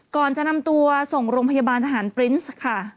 ก่อนจะนำตัวส่งโรงพยาบาลทหารปรินส์ค่ะ